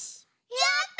やった！